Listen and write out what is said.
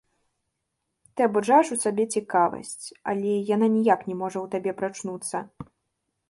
Ты абуджаеш у сабе цікавасць, але яна ніяк не можа ў табе прачнуцца.